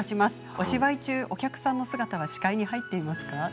お芝居中お客さんの姿は視界に入っていますか。